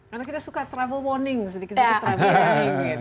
karena kita suka peringatan perjalanan sedikit sedikit